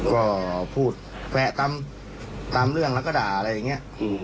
ก็พูดแวะตามเรื่องแล้วก็ด่าอะไรอย่างนี้